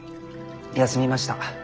休みました。